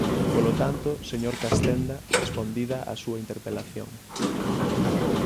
Polo tanto, señor Castenda, respondida a súa interpelación.